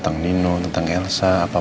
hai hai dengerin saya ya